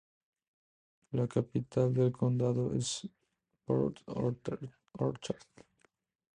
La capital del condado es Port Orchard.